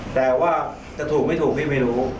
แต่ว่าจะถูกไม่ถูกนี่ไม่รู้